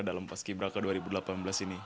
dalam pasukan ini